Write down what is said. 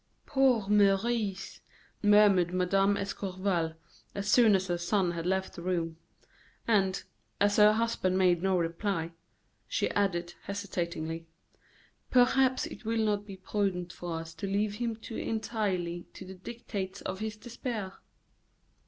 "Poor Maurice!" murmured Mme. d'Escorval, as soon as her son had left the room. And, as her husband made no reply: "Perhaps," she added, hesitatingly, "perhaps it will not be prudent for us to leave him too entirely to the dictates of his despair."